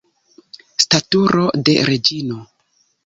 Staturo de reĝino!